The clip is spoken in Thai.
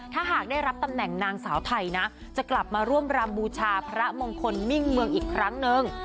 ถ้าหากได้รับตำแหน่งนางสาวไทยนะจะกลับมาร่วมรำบูชาพระมงคลมิ่งเมืองอีกครั้งนึง